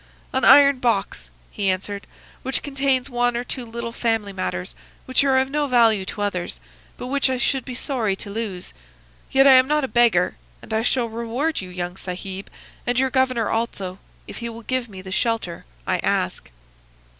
"'An iron box,' he answered, 'which contains one or two little family matters which are of no value to others, but which I should be sorry to lose. Yet I am not a beggar; and I shall reward you, young Sahib, and your governor also, if he will give me the shelter I ask.